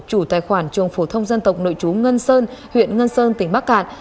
chủ tài khoản trường phổ thông dân tộc nội chú ngân sơn huyện ngân sơn tỉnh bắc cạn